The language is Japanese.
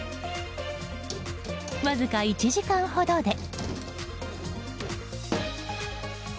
わずか１時間ほどで。